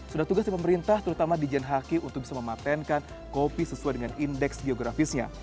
sudah tugas di pemerintah terutama di jenhaki untuk bisa mematenkan kopi sesuai dengan indeks geografisnya